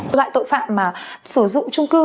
tội phạm mà sử dụng trung cư